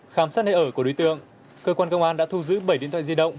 khám sát nơi ở của đối tượng cơ quan công an đã thu giữ bảy điện thoại di động